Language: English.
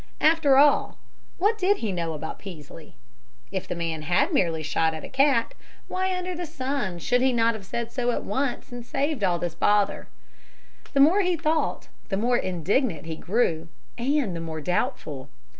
After all, what did he know about Peaslee? If the man had merely shot at a cat, why under the sun should he not have said so at once, and saved all this bother? The more he thought, the more indignant he grew and the more doubtful.